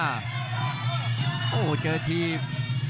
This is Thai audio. โหเจอทีม